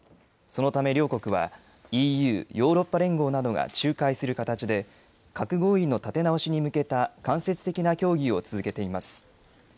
そのため、両国はＥＵ・ヨーロッパ連合などが仲介する形で、核合意の立て直しに向けた間接的な協議を続けています。